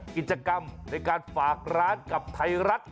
กิจกรรมในการฝากร้านกับไทยรัฐ